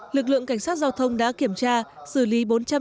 lực lượng cảnh sát giao thông đã kiểm tra xử lý bốn trăm tám mươi một